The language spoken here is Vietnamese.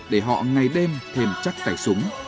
để họ ngày đêm thêm chắc tay súng